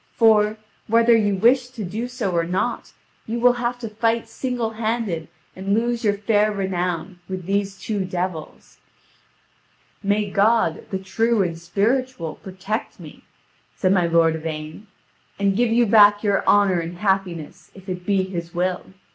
For, whether you wish to do so or not, you will have to fight singlehanded and lose your fair renown with these two devils." "May God, the true and spiritual, protect me," said my lord Yvain, "and give you back your honour and happiness, if it be His will.